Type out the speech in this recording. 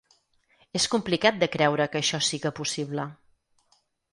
És complicat de creure que això siga possible.